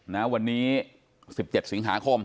แล้ววันนี้๑๗สิงหาคม